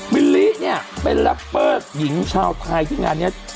มิลลินี่เนี่ยเป็นรับเปิดหญิงชาวไทยที่งานเนี่ย